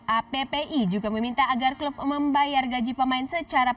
appi juga meminta agar klub membayar gaji pemain secara